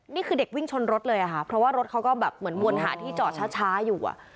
นี่คือเด็กวิ่งชนรถเลยค่ะเพราะว่ารถเขาก็แบบเหมือนวนหาที่จอดช้าอยู่อ่ะ